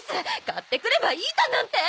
買ってくればいいだなんて！